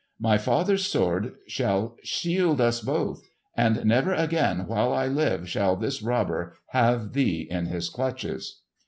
My father's sword shall shield us both, and never again while I live shall this robber have thee in his clutches."